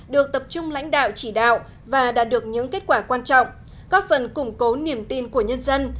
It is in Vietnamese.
được tập trung lãnh đạo chỉ đạo và đạt được những kết quả quan trọng góp phần củng cố niềm tin của nhân dân